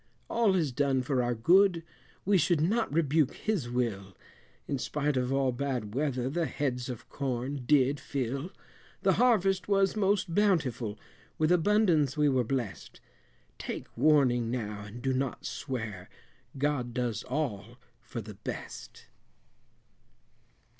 All is done for our good, we should not rebuke His will, In spite of all bad weather, the heads of corn did fill; The harvest was most bountiful, with abundance we were blest. Take warning now and do not swear, God does all for the best.